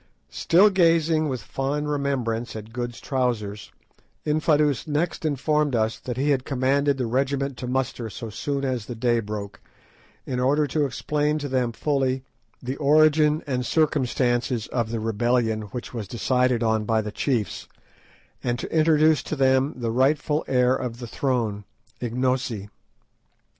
Still gazing with fond remembrance at Good's trousers, Infadoos next informed us that he had commanded the regiments to muster so soon as the day broke, in order to explain to them fully the origin and circumstances of the rebellion which was decided on by the chiefs, and to introduce to them the rightful heir to the throne, Ignosi.